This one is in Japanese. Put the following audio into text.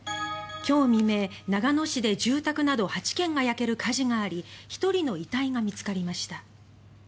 今日未明、長野市で住宅など８軒が焼ける火事があり１人の遺体が見つかりました。